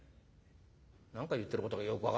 「何か言ってることがよく分からねえ。